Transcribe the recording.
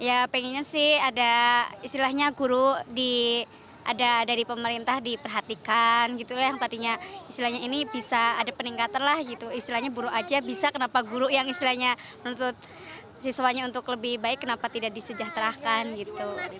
ya pengennya sih ada istilahnya guru ada di pemerintah diperhatikan gitu yang tadinya istilahnya ini bisa ada peningkatan lah gitu istilahnya guru aja bisa kenapa guru yang istilahnya menuntut siswanya untuk lebih baik kenapa tidak disejahterakan gitu